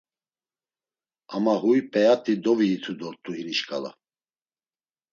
Ama huy p̌eyat̆i doviyitu dort̆u hini şǩala.